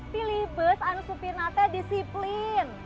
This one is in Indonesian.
pilih bis anu supir nanti disiplin